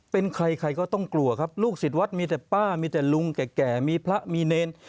เป็นใครใครก็ต้องกลัวครับลูกศิษย์วัดมีแต่ป้ามีแต่ลุงแก่มีพระมีเนร